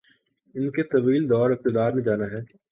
ان کے طویل دور اقتدار نے جانا ہے۔